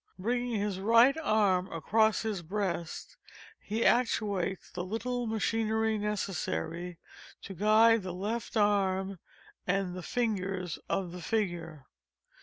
Bringing his right arm across his breast he actuates the little machinery necessary to guide the left arm and the fingers of the figure.